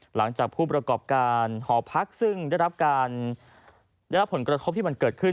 หลังจากผู้ประกอบการหอพักซึ่งได้รับผลกระทบที่มันเกิดขึ้น